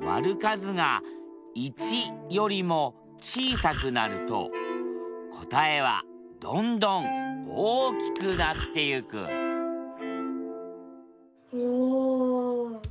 割る数が１よりも小さくなると答えはどんどん大きくなってゆくおお！